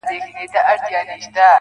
د يوسفي ښکلا له هر نظره نور را اوري~